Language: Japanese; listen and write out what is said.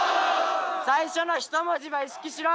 最初の人文字ば意識しろ。